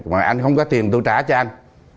mà anh không có tiền tôi trả cho anh